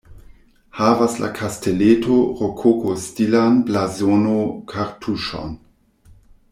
Havas la kasteleto rokoko-stilan blazono-kartuŝon.